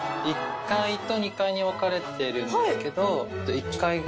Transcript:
１階と２階に分かれてるんですけど。